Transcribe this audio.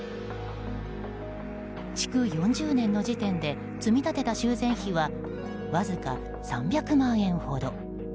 築４０年の時点で積み立てた修繕費はわずか３００万円ほど。